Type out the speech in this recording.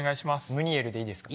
ムニエルでいいですか？